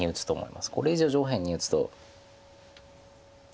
これ以上上辺に打つと。